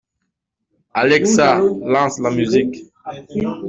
Alexa, lance la musique.